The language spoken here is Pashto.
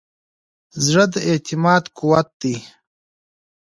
زړه د اعتماد قوت دی.